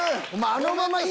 あのまま。